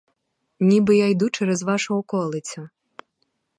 Ніби я йду через вашу околицю.